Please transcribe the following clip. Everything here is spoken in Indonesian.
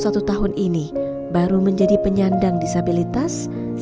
peri santoso merasa tidak bisa berhubung dengan orang lain dan tidak bisa berhubung dengan orang lain